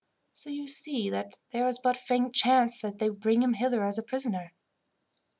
So you see that there is but faint chance that they would bring him hither a prisoner."